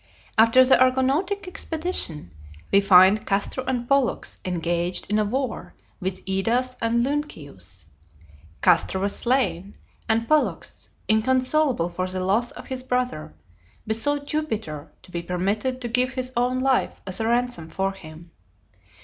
After the Argonautic expedition, we find Castor and Pollux engaged in a war with Idas and Lynceus. Castor was slain, and Pollux, inconsolable for the loss of his brother, besought Jupiter to be permitted to give his own life as a ransom for him.